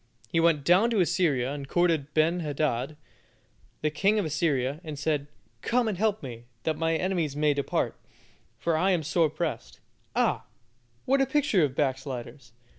He went down to Assyria and courted Ben hadad, the king of Assyria, and said, "Come and help me, that my enemies may depart, for I am sore pressed." Ah! what a picture of backsliders.